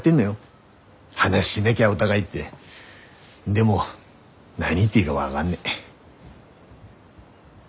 でも何言っていいが分がんねえ。